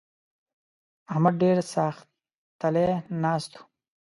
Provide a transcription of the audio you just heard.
احمد ډېر ساختلی ناست وو.